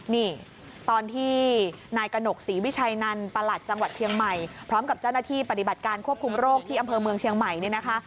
นี่ตอนที่นายกระหนกศรีวิชัยนันประหลัดจังหวัดเชียงใหม่พร้อมกับเจ้าหน้าที่ปฏิบัติการควบคุมโรคที่อำเภอเมืองเชียงใหม่เนี่ยนะคะ